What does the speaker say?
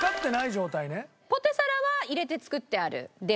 ポテサラは入れて作ってある？です。